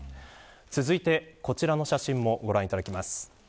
続いてこちらの写真もご覧いただきます。